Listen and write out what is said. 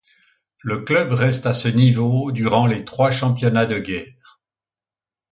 Le club reste à ce niveau durant les trois championnats de guerre.